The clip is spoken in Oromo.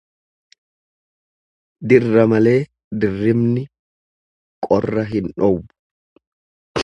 Dirra malee dirribni qorra hin dhoowwu.